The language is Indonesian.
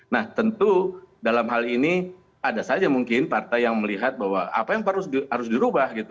nah tentu dalam hal ini ada saja mungkin partai yang melihat bahwa apa yang harus dirubah gitu